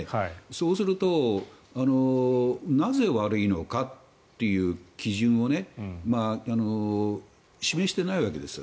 そうするとなぜ悪いのかという基準を示してないわけです。